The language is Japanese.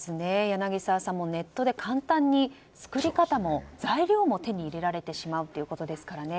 柳澤さん、ネットで簡単に作り方も材料も手に入れられてしまうということですからね。